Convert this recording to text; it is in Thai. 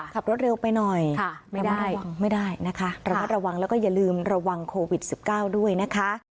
ขับรถเร็วไปหน่อยไม่ได้นะคะระวังแล้วก็อย่าลืมระวังโควิดสิบเก้าด้วยนะคะ